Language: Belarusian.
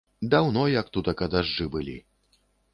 Даўно як тутака дажджы былі.